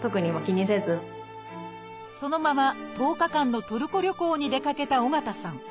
そのまま１０日間のトルコ旅行に出かけた緒方さん。